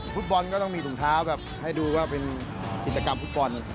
ฟุตบอลก็ต้องมีถุงเท้าแบบให้ดูว่าเป็นกิจกรรมฟุตบอล